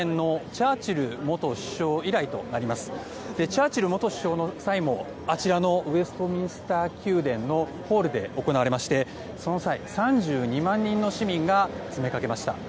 チャーチル元首相の際もウェストミンスター宮殿のホールで行われましてその際、３２万人の市民が詰めかけました。